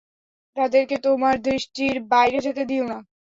তাদেরকে তোমার দৃষ্টির বাইরে যেতে দিও না।